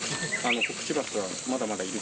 コクチバスはまだまだいる？